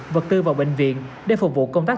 vật tư vào bệnh viện để phục vụ công tác